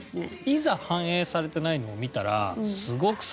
いざ反映されてないのを見たら。